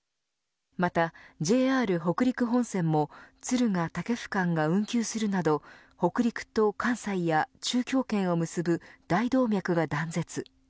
また、ＪＲ北陸本線も敦賀、武生間が運休するなど北陸と関西や中京圏を結ぶ大動脈が断絶。